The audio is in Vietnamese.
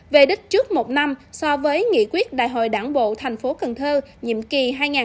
về đích trước một năm so với nghị quyết đại hội đảng bộ tp cnh nhiệm kỳ hai nghìn hai mươi